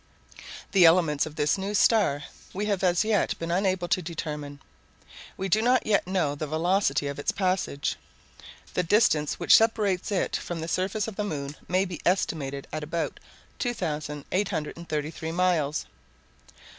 The elements of this new star we have as yet been unable to determine; we do not yet know the velocity of its passage. The distance which separates it from the surface of the moon may be estimated at about 2,833 miles.